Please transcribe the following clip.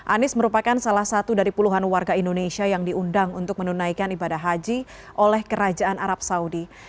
anies merupakan salah satu dari puluhan warga indonesia yang diundang untuk menunaikan ibadah haji oleh kerajaan arab saudi